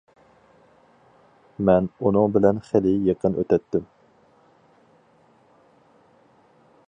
مەن ئۇنىڭ بىلەن خېلى يېقىن ئۆتەتتىم.